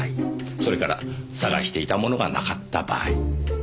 それから捜していたものがなかった場合。